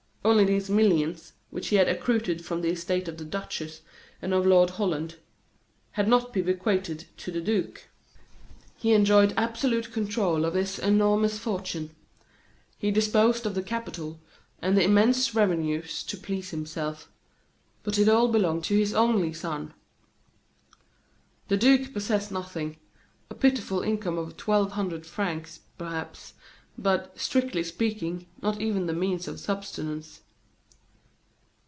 Only these millions, which had accrued from the estate of the duchess and of Lord Holland, had not been bequeathed to the duke. He enjoyed absolute control of this enormous fortune; he disposed of the capital and of the immense revenues to please himself; but it all belonged to his son to his only son. The duke possessed nothing a pitiful income of twelve hundred francs, perhaps; but, strictly speaking, not even the means of subsistence.